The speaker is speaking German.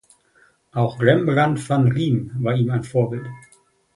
Auch Rembrandt van Rijn war ihm ein Vorbild.